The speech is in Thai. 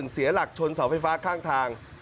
เสียหลักชนเสาไฟฟ้าข้างทาง